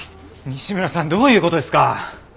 西村さんどういうことですか！？